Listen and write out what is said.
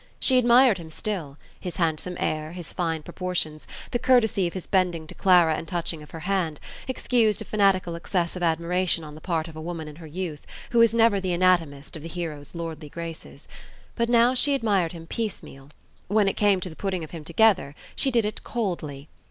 She admired him still: his handsome air, his fine proportions, the courtesy of his bending to Clara and touching of her hand, excused a fanatical excess of admiration on the part of a woman in her youth, who is never the anatomist of the hero's lordly graces. But now she admired him piecemeal. When it came to the putting of him together, she did it coldly.